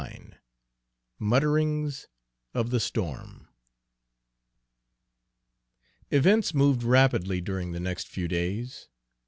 XXIX MUTTERINGS OF THE STORM Events moved rapidly during the next few days.